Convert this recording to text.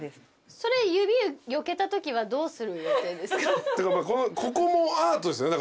それ指よけたときはどうする予定ですか？